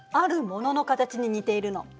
ものの形に似ているの。